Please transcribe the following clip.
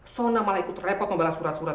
sona malah ikut repot membalas surat surat